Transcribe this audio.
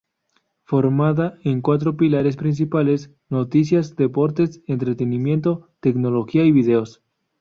Formada en cuatro pilares principales, noticias, deportes, entretenimiento, tecnología y vídeos.